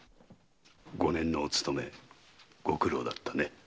五年のお勤めご苦労だったね。